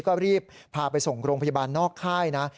ก็รีบพาไปส่งโรงพยาบาลนอกค่ายนะ